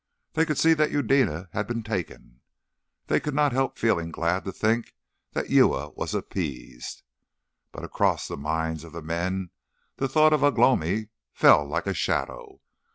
They could see that Eudena had been taken. They could not help feeling glad to think that Uya was appeased. But across the minds of the men the thought of Ugh lomi fell like a shadow.